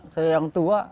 dan anak tua